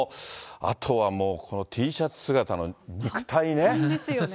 あとはもう、このＴシャツ姿の肉体ね。